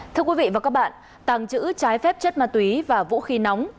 thưa quý vị và các bạn tàng trữ trái phép chất ma túy và vũ khí nóng